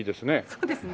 そうですね。